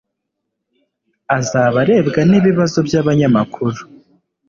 azaba arebwa n'ibibazo by'abanyamakuru